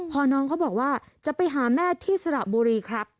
พอน้องเขาบอกว่าจะไปหาแม่ที่สระบุรีครับ